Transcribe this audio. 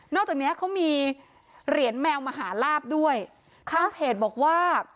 จากเนี้ยเขามีเหรียญแมวมหาลาบด้วยทางเพจบอกว่า